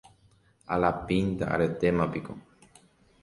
Alapínta aretémapiko